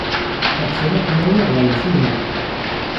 Teɣsem ad ken-awiɣ ɣer usegnaf?